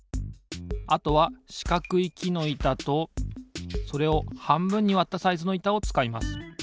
あとはしかくいきのいたとそれをはんぶんにわったサイズのいたをつかいます。